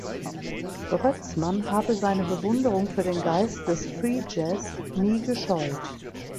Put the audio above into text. Brötzmann habe seine Bewunderung für den Geist des Free Jazz nie gescheut.